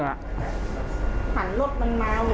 หันรถมันมา